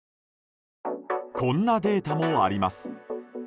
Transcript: こんなデータもあります。